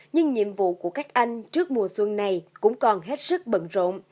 nhưng nhiệm vụ của các anh trước mùa xuân này cũng còn hết sức bận rộn